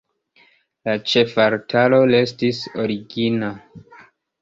La ĉefaltaro restis origina.